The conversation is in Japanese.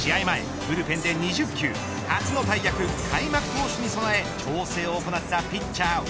前、ブルペンで２０球初の大役、開幕投手に備え調整を行ったピッチャー